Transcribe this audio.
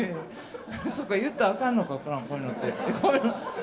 そっか、言ったらあかんのか、こういうのって。